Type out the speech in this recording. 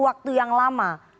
waktu yang lama